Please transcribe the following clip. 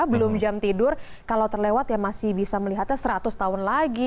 belum jam tidur kalau terlewat ya masih bisa melihatnya seratus tahun lagi